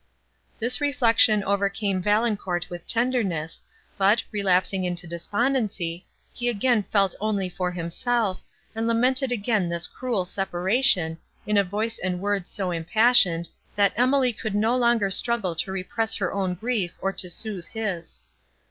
This reflection overcame Valancourt with tenderness, but, relapsing into despondency, he again felt only for himself, and lamented again this cruel separation, in a voice and words so impassioned, that Emily could no longer struggle to repress her own grief, or to sooth his.